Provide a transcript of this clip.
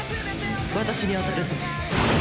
私に当たるぞ。